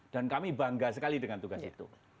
dan kami bangga sekali dengan tugas itu